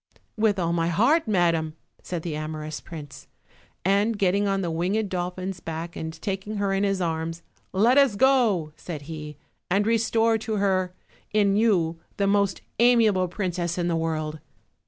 "With all my heart, madam," said the amorous prince; and getting oj the winged dolphin's back and taking her OLD, OLD FAIRT TALES. 215 in his arms, "let us go," said he, "and restore to her, in you, the most amiable princess in the world."